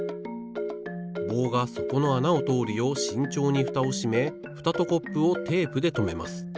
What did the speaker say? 棒がそこのあなをとおるようしんちょうにフタをしめフタとコップをテープでとめます。